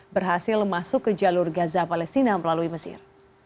berhasil masuk ke jalur gaza palestina melalui mesir